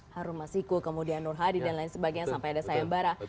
harum mas hiku kemudian nur hadi dan lain sebagainya sampai ada saya yang bara